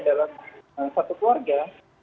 dalam satu keluarga